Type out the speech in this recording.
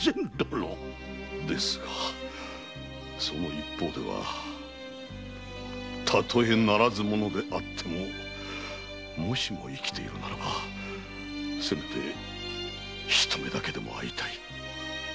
なれどその一方ではたとえナラズ者であってももしも生きているならばせめて一目だけでも会いたい。